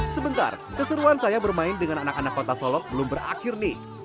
sebentar keseruan saya bermain dengan anak anak kota solok belum berakhir nih